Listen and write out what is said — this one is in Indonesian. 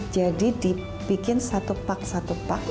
jadi dipikir satu pak satu pak